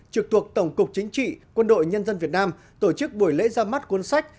trực thuộc tổng cục chính trị quân đội nhân dân việt nam tổ chức buổi lễ ra mắt cuốn sách